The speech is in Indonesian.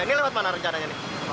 ini lewat mana rencananya